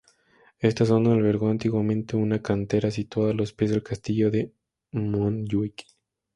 Esta zona albergó antiguamente una cantera, situada a los pies del Castillo de Montjuïc.